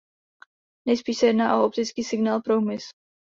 Nejspíš se jedná o optický signál pro hmyz.